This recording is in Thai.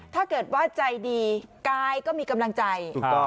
ถ้าเกิดว่าใจดีกายก็มีกำลังใจ